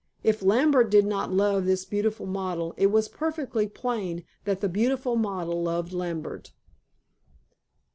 If Lambert did not love his beautiful model, it was perfectly plain that the beautiful model loved Lambert.